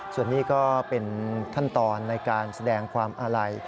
ส่วนนี้ก็เป็นขั้นตอนในการแสดงความอาลัย